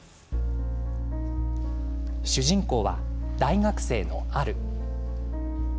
主人公は大学生のアル。